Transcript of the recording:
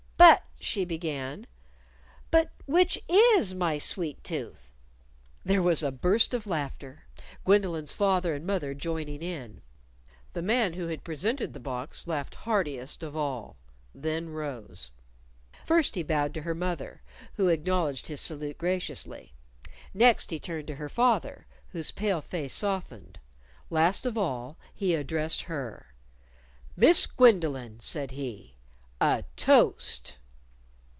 "But," she began; " but which is my sweet tooth?" There was a burst of laughter, Gwendolyn's father and mother joining in. The man who had presented the box laughed heartiest of all; then rose. First he bowed to her mother, who acknowledged his salute graciously; next he turned to her father, whose pale face softened; last of all, he addressed her: "Miss Gwendolyn," said he, "a toast!"